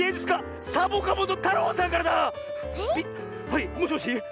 はいもしもし。